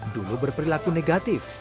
dulu berperilaku negatif